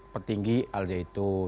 petinggi al jaitun